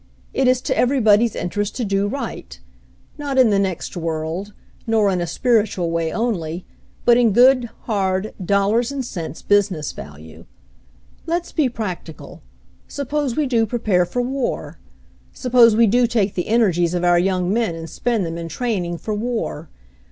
"It is to everybody's interest to do right. Not in the next world, nor in a spiritual way only, but in good, hard dollars and cents business value. "Let's be practical. Suppose we do prepare for war? Suppose we do take the energies of our young men and spend them in training for war.